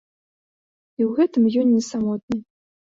І ў гэтым ён не самотны.